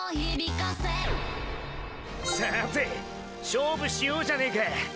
さて勝負しようじゃねえか！